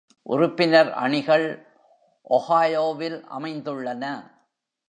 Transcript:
உறுப்பினர் அணிகள் Ohioவில் அமைந்துள்ளன.